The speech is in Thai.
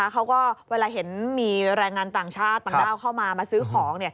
เวลาเห็นมีแรงงานต่างชาติต่างด้าวเข้ามามาซื้อของ